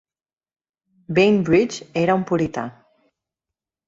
Bainbridge era un purità.